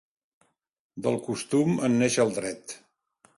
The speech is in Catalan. Del costum en neix el dret.